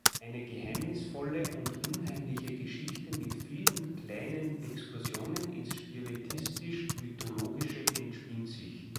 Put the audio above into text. Eine geheimnisvolle und unheimliche Geschichte mit vielen kleinen Exkursionen ins Spiritistisch-Mythologische entspinnt sich.